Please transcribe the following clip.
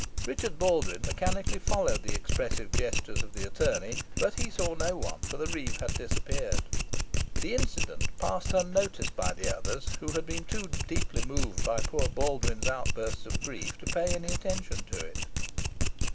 Richard Baldwyn mechanically followed the expressive gestures of the attorney, but he saw no one, for the reeve had disappeared. The incident passed unnoticed by the others, who had been, too deeply moved by poor Baldwyn's outburst of grief to pay attention to it.